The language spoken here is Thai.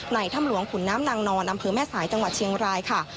ถ้ำหลวงขุนน้ำนางนอนอำเภอแม่สายจังหวัดเชียงรายค่ะ